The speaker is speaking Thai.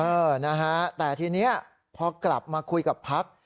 เออนะฮะแต่ทีนี้พอกลับมาคุยกับพัก